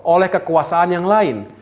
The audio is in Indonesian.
oleh kekuasaan yang lain